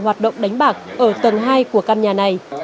hoạt động đánh bạc ở tầng hai của căn nhà này